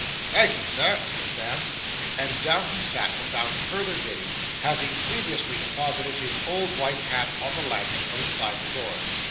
'Thank'ee, sir,' said Sam. And down he sat without further bidding, having previously deposited his old white hat on the landing outside the door.